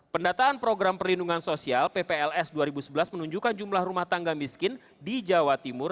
pendataan program perlindungan sosial ppls dua ribu sebelas menunjukkan jumlah rumah tangga miskin di jawa timur